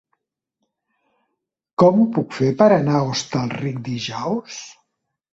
Com ho puc fer per anar a Hostalric dijous?